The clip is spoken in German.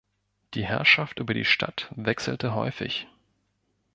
Die Herrschaft über die Stadt wechselte häufig.